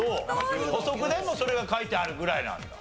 補足でもそれが書いてあるぐらいなんだ。